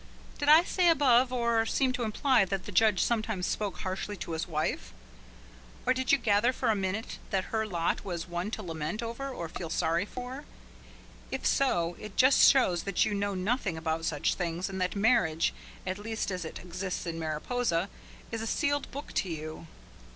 Did I say above, or seem to imply, that the judge sometimes spoke harshly to his wife? Or did you gather for a minute that her lot was one to lament over or feel sorry for? If so, it just shows that you know nothing about such things, and that marriage, at least as it exists in Mariposa, is a sealed book to you.